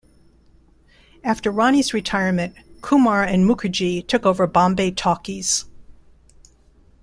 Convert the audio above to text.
After Rani's retirement, Kumar and Mukherjee took over Bombay Talkies.